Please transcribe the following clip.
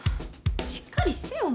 しっかりしてよ